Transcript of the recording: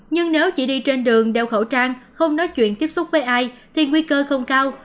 nhưng nếu chỉ đi trên đường đeo khẩu trang không nói chuyện tiếp xúc với ai thì nguy cơ không cao